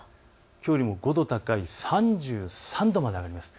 きょうよりも５度高い３３度まで上がります。